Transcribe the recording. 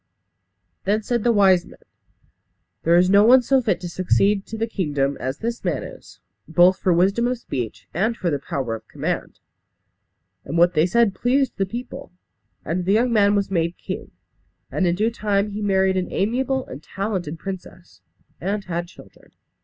Then said the wise men, "There is no one so fit to succeed to the kingdom as this man is; both for wisdom of speech and for the power of command." And what they said pleased the people; and the young man was made king. And in due time he married an amiable and talented princess, and had children.